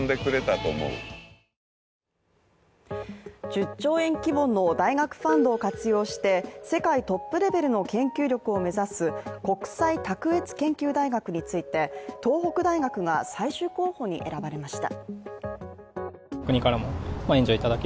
１０兆円規模の大学ファンドを活用して、世界トップレベルの研究力を目指す国際卓越研究大学について、東北大学が最終候補に選ばれました。